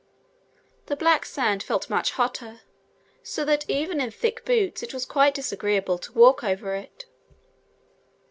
The black sand felt much hotter, so that even in thick boots it was quite disagreeable to walk over it.